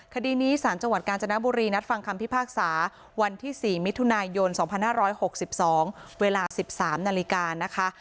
คดีนี้สารจังหวัดกาญจนบุรีนัดฟังคำพิพากษาวันที่๔มิถุนายน๒๕๖๒เวลา๑๓นาฬิกานะคะ